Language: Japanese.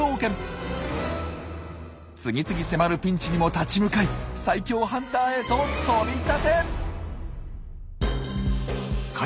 次々迫るピンチにも立ち向かい最強ハンターへと飛び立て！